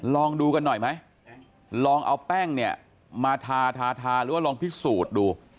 ลองดูกันหน่อยไหมลองเอาแป้งเนี่ยมาทาทาหรือว่าลองพิสูจน์ดู